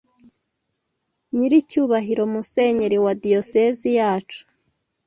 Nyiricyubahiro Musenyeri wa diyoseze yacu